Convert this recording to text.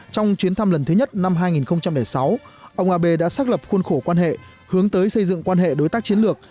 trong chuyến thăm lần thứ nhất năm hai nghìn sáu ông abe đã xác lập khuôn khổ quan hệ hướng tới xây dựng quan hệ đối tác chiến lược